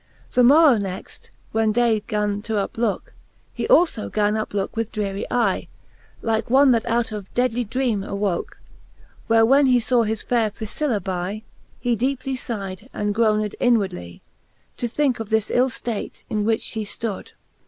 XI. The morrow next, when day gan to uplooke. He alfo gan uplooke with drery eye. Like one that out of deadly dreame awooke: Where when he faw his faire PrifciUa by. He deepely figh'd, and groaned inwardly, To thinke of this ill ftate, in which fhe ftood.